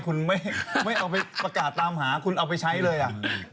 คุณไม่เอาไปประกาศตามหาคุณเอาไปใช้เลยอ่ะ